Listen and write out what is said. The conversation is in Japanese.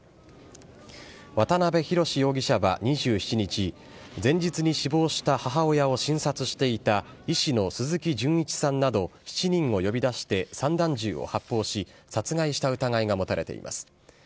渡辺宏容疑者は２７日、前日に死亡した母親を診察していた医師の鈴木純一さんなど７人を呼び出して散弾銃を発砲し、殺害した疑いが持たれています。